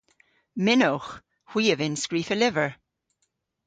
Mynnowgh. Hwi a vynn skrifa lyver.